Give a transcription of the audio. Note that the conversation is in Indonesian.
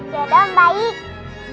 ya udah om baik